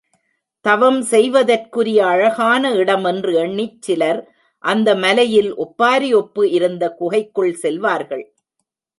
தவம் செய்வதற்குரிய அழகான இடம் என்று எண்ணிச் சிலர் அந்த மலையில் ஒப்பாரி ஒப்பு இருந்த குகைக்குள் செல்வார்கள்.